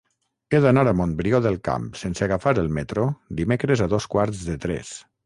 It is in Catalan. He d'anar a Montbrió del Camp sense agafar el metro dimecres a dos quarts de tres.